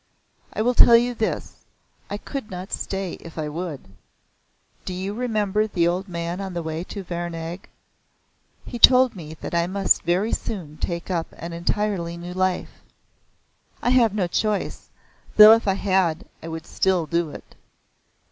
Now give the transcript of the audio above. "I will tell you this. I could not stay if I would. Do you remember the old man on the way to Vernag? He told me that I must very soon take up an entirely new life. I have no choice, though if I had I would still do it."